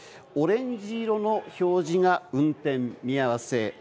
オレンジ色の表示が運転見合わせ。